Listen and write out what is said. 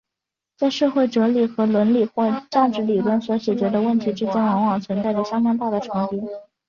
在社会哲学和伦理或价值理论所解决的问题之间往往存在着相当大的重叠。